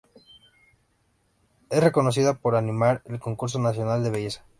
Es reconocida por animar el Concurso Nacional de Belleza.